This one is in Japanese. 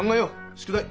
宿題！